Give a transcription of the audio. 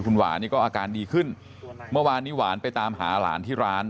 คุณหวานนี่ก็อาการดีขึ้นเมื่อวานนี้หวานไปตามหาหลานที่ร้าน